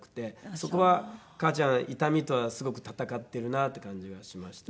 そこは母ちゃん痛みとはすごく闘ってるなって感じはしましたね。